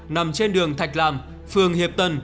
nằm trên đường thạch làm phường hiệp tân